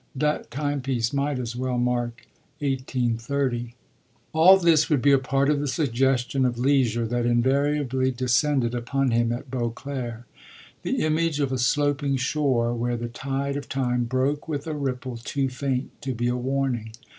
That timepiece might as well mark 1830. All this would be a part of the suggestion of leisure that invariably descended upon him at Beauclere the image of a sloping shore where the tide of time broke with a ripple too faint to be a warning.